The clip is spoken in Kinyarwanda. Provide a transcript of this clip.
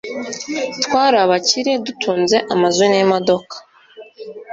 twarabakire dutunze amazu nimodoka